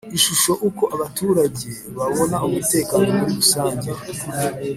Ishusho Uko abaturage babona umutekano muri rusange